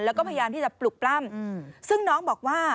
แล้วก็พยายามที่จะปลุกปล้ำซึ่งน้องบอกว่า